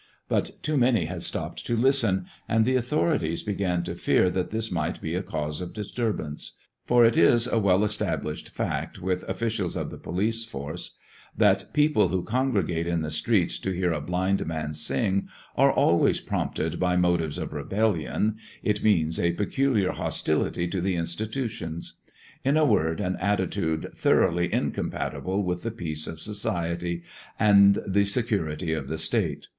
But too many had stopped to listen, and the authorities began to fear that this might be a cause of disturbance; for it is a well established fact with officials of the police force that people who congregate in the streets to hear a blind man sing are always prompted by motives of rebellion, it means a peculiar hostility to the institutions; in a word, an attitude thoroughly incompatible with the peace of society and the security of the State.